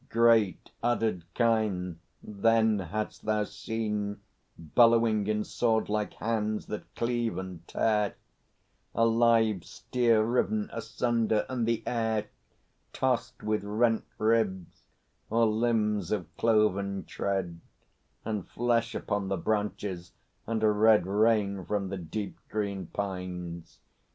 Great uddered kine then hadst thou seen Bellowing in sword like hands that cleave and tear, A live steer riven asunder, and the air Tossed with rent ribs or limbs of cloven tread, And flesh upon the branches, and a red Rain from the deep green pines.